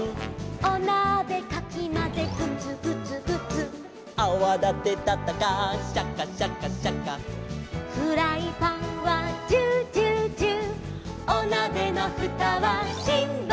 「おなべかきまぜグツグツグツ」「アワだてたったかシャカシャカシャカ」「フライパンはジュージュージュー」